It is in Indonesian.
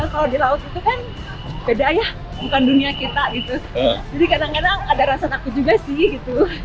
kalau di laut itu kan beda ya bukan dunia kita gitu jadi kadang kadang ada rasa takut juga sih gitu